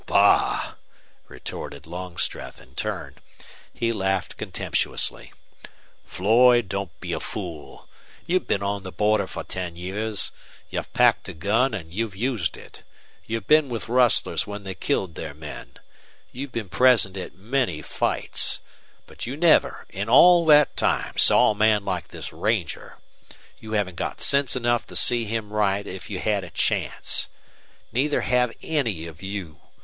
"Bah!" retorted Longstreth, in turn. He laughed contemptuously. "Floyd, don't be a fool. You've been on the border for ten years. You've packed a gun and you've used it. You've been with rustlers when they killed their men. You've been present at many fights. But you never in all that time saw a man like this ranger. You haven't got sense enough to see him right if you had a chance. Neither have any of you.